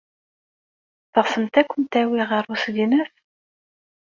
Teɣsemt ad kent-awiɣ ɣer usegnaf?